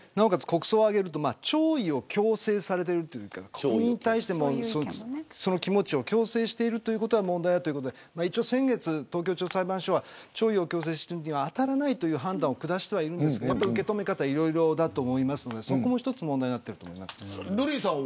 国葬をあげると弔意を強制されているというか国民に対してその気持ちを強制してることが問題だということで先月、東京地方裁判所は弔意を強制するにはあたらないという判断を下してはいるんですけれど受け止め方、いろいろだと思いますのでそこも一つ問題になっています。